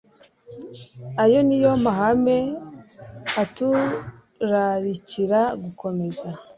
Ayo ni yo mahame aturarikira gukomeza.